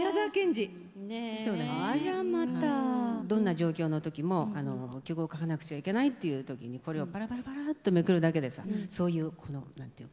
どんな状況の時も曲を書かなくちゃいけないっていう時にこれをパラパラパラっとめくるだけでそういうこの何て言うかエネルギーみたいなものが。